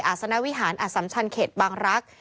ศนวิหารอสัมชันเขตบางรักษ์